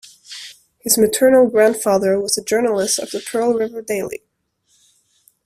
His maternal grandfather was a journalist of the "Pearl River Daily".